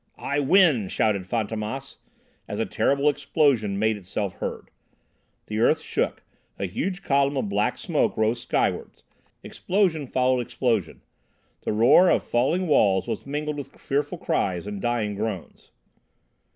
"I win!" shouted Fantômas, as a terrible explosion made itself heard. The earth shook, a huge column of black smoke rose skywards, explosion followed explosion. The roar of falling walls was mingled with fearful cries and dying groans.